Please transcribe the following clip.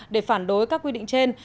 để phản đối các quy định trên